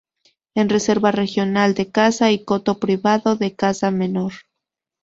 Es reserva regional de caza, y coto privado de caza menor.